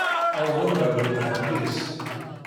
Uwḍen ɣer din uqbel-is.